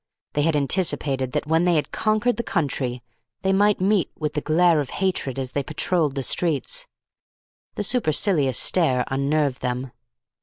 They had anticipated that when they had conquered the country they might meet with the Glare of Hatred as they patrolled the streets. The Supercilious Stare unnerved them.